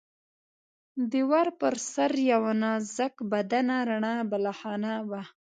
د ور پر سر یوه نازک بدنه رڼه بالاخانه وه.